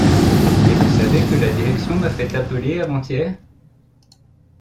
Et vous savez que la Direction m’a fait appeler avant-hier.